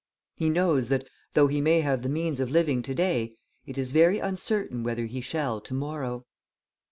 He knows that, though he may have the means of living to day, it is very uncertain whether he shall to morrow.